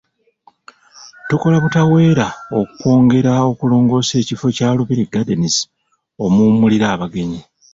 Tukola butaweera okwongera okulongoosa ekifo kya Lubiri Gardens omuwummulira abagenyi.